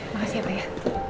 makasih pak ya